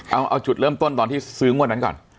เอาจุดเริ่มต้นตอนที่ซื้องวดนั้นก่อน